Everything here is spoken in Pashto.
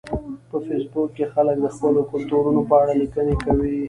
په فېسبوک کې خلک د خپلو کلتورونو په اړه لیکنې کوي